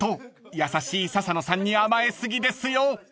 優しい笹野さんに甘え過ぎですよ］